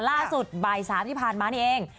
ล่าสุดบ่าย๓ที่ผ่านมานี่เอง